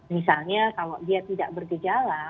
misalnya kalau dia tidak bergejala